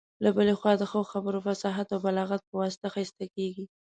له بلي خوا د ښه خبرو، فصاحت او بلاغت په واسطه ښايسته کيږي.